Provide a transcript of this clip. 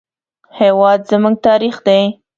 هېواد زموږ تاریخ دی